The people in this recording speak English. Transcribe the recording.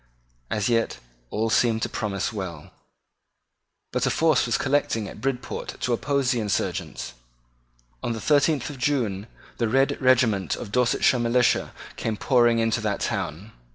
As Yet all seemed to promise well. But a force was collecting at Bridport to oppose the insurgents. On the thirteenth of June the red regiment of Dorsetshire militia came pouring into that town.